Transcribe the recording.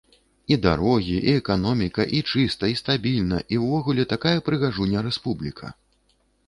І дарогі, і эканоміка, і чыста, і стабільна, і ўвогуле такая прыгажуня-рэспубліка.